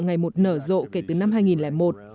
ngày một nở rộ kể từ năm hai nghìn một